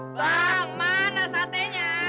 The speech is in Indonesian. bang mana satenya